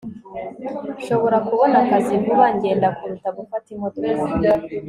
nshobora kubona akazi vuba ngenda kuruta gufata imodoka